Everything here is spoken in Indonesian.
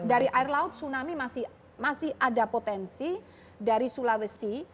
dari air laut tsunami masih ada potensi dari sulawesi